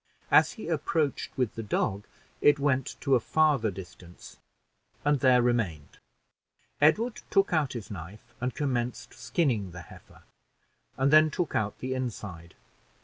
As he approached with the dog, it went to a farther distance, and there remained. Edward took out his knife and commenced skinning the heifer, and then took out the inside.